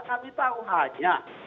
kami tahu hanya